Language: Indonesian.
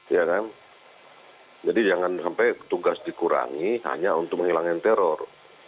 ya kan jadi jangan sampai tugas dikurangi hanya untuk menghilangkan teror